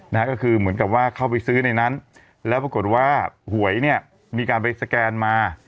นะฮะก็คือเหมือนกับว่าเข้าไปซื้อในนั้นแล้วปรากฏว่าหวยเนี่ยมีการไปสแกนมา